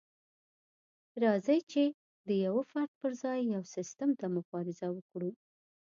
راځئ چې د يوه فرد پر ځای يو سيستم ته مبارزه وکړو.